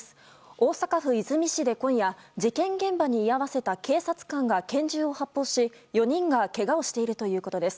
大阪府和泉市で今夜事件現場に居合わせた警察官が拳銃を発砲し、４人がけがをしているということです。